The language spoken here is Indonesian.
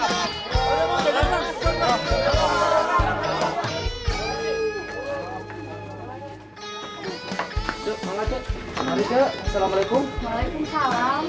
mas idan masuk